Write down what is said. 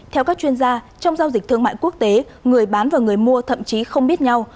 theo các chuyên gia trong giao dịch thương mại quốc tế người bán và người mua thậm chí không biết nhau